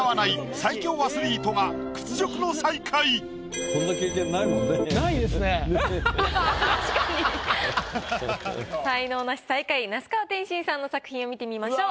最下位那須川天心さんの作品を見てみましょう。